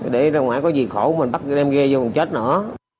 để ra ngoài có gì khổ mình bắt đem ghê vô còn chết nữa